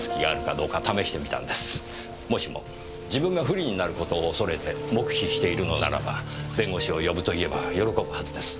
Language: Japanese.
もしも自分が不利になる事を恐れて黙秘しているのならば弁護士を呼ぶと言えば喜ぶはずです。